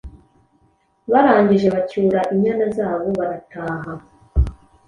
Barangije bacyura inyana zabo barataha.